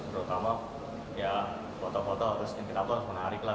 terutama ya foto foto yang kita pelas menarik lah